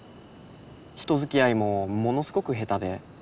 人づきあいもものすごく下手で。